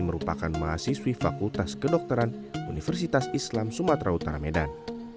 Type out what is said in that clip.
merupakan mahasiswi fakultas kedokteran universitas islam sumatera utara medan